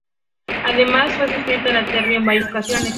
Además, fue sustituta de Terry en varias ocasiones.